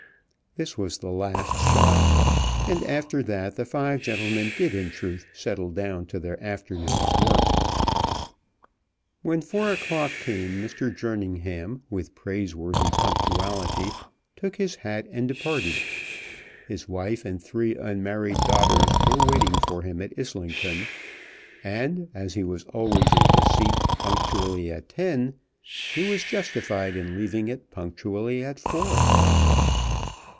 This was the last shot, and after that the five gentlemen did in truth settle down to their afternoon's work. When four o'clock came Mr. Jerningham with praiseworthy punctuality took his hat and departed. His wife and three unmarried daughters were waiting for him at Islington, and as he was always in his seat punctually at ten, he was justified in leaving it punctually at four.